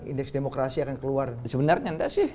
indeks demokrasi akan keluar sebenarnya enggak sih